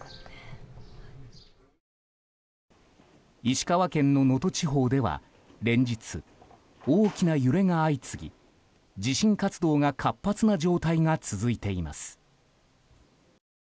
石川県の能登地方では連日、大きな揺れが相次ぎ地震活動が活発な状態が続いています。